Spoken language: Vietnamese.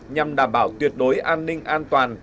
nhằm đảm bảo tuyệt đối an ninh an toàn